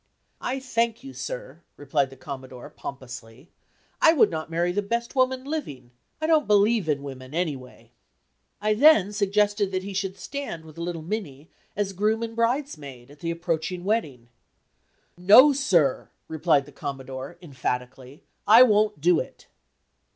"I thank you, sir," replied the Commodore, pompously, "I would not marry the best woman living; I don't believe in women, any way." I then suggested that he should stand with little Minnie, as groom and bridesmaid, at the approaching wedding. "No, sir!" replied the Commodore, emphatically; "I won't do it!"